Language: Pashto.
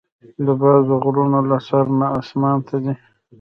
باز د غرونو له سر نه آسمان ته ځي